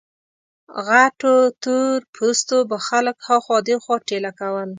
غټو تور پوستو به خلک ها خوا دې خوا ټېله کړل.